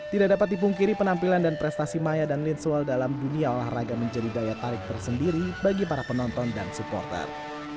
tidak dapat dipungkiri penampilan dan prestasi maya dan linsual dalam dunia olahraga menjadi daya tarik tersendiri bagi para penonton dan supporter